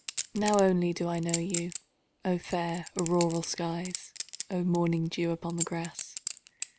Now only do I know you!O fair auroral skies! O morning dew upon the grass!